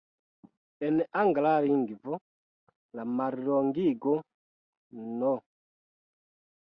En angla lingvo, la mallongigo "No.